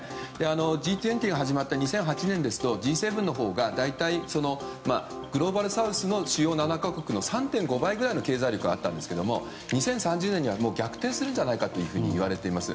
Ｇ２０が始まった２００８年ですとＧ７のほうが大体グローバルサウスの主要７か国の３．５倍くらいの経済力があったんですが、２０３０年には逆転するのではないかといわれています。